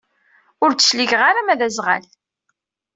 Ur d-cligeɣ ara ma d aẓɣal.